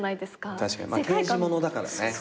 確かに刑事物だからね。